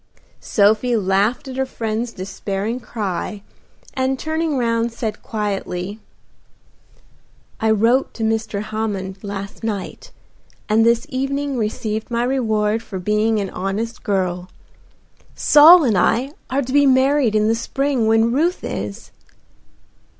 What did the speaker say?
Sophie laughed at her friend's despairing cry, and turning round said quietly, "I wrote to Mr. Hammond last night, and this evening received my reward for being an honest girl. Saul and I are to be married in the spring when Ruth is."